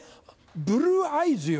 ブルーアイズよ。